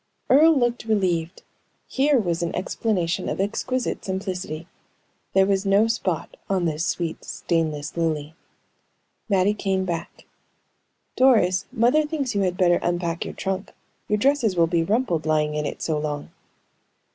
'" Earle looked relieved. Here was an explanation of exquisite simplicity. There was no spot on this sweet, stainless lily. Mattie came back. "Doris, mother thinks you had better unpack your trunk. Your dresses will be rumpled lying in it so long."